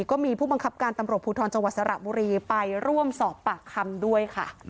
ก็มีผู้บังคับการตำรวจภูทรจังหวัดสระบุรีไปร่วมสอบปากคำด้วยค่ะ